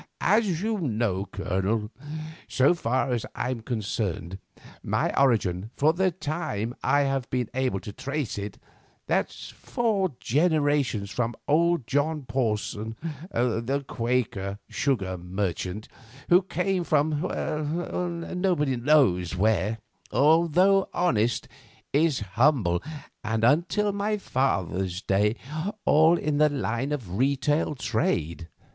As you know, Colonel, so far as I am concerned my origin, for the time I have been able to trace it—that's four generations from old John Porson, the Quaker sugar merchant, who came from nobody knows where—although honest, is humble, and until my father's day all in the line of retail trade.